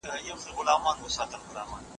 که کمپیوټر وي نو ډاټا نه ورکیږي.